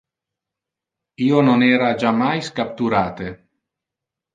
Io non era jammais capturate.